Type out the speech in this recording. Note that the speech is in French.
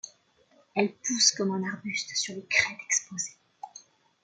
Elle pousse comme un arbuste sur les crêtes exposées.